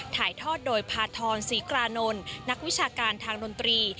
ถ่ายทอดโดยพาทรศรีกรานนท์นักวิชาการทางดนตรี